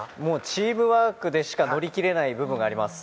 チームワークでしか乗り切れない部分があります。